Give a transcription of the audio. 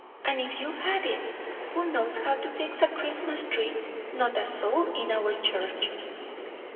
And if you had it, who knows how to fix a Christmas tree? Not a soul in our church."